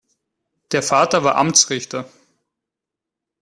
Der Vater war Amtsrichter.